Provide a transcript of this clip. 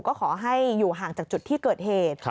ก็ขอให้อยู่ห่างจากจุดที่เกิดเหตุ